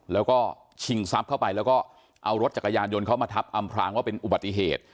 แล้วก็ชิงทรัพย์เข้าไปแล้วก็เอารถจักรยานยนต์เขามาทับอำพลางว่าเป็นอุบัติเหตุ